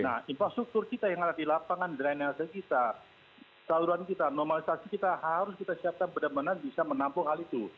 nah infrastruktur kita yang ada di lapangan drainase kita saluran kita normalisasi kita harus kita siapkan benar benar bisa menampung hal itu